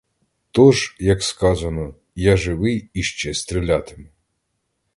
Тож, як сказано, я живий і ще стрілятиму!